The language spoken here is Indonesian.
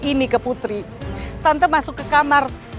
ini ke putri tante masuk ke kamar